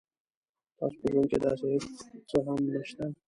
تاسو په ژوند کې داسې هیڅ څه هم نشته